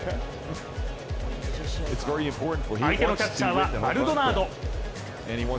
相手のキャッチャーはマルドナード。